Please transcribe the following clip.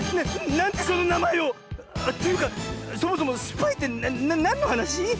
なんでそのなまえを⁉というかそもそもスパイってなんのはなし？